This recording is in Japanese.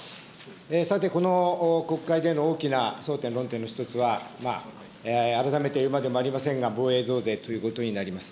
さて、この国会での大きな争点、論点の一つは、改めて言うまでもありませんが、防衛増税ということになります。